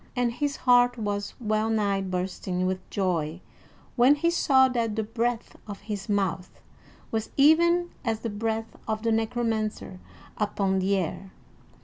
And his heart was well nigh bursting with joy when he saw that the breath of his mouth was even as the breath of the Necromancer upon the air.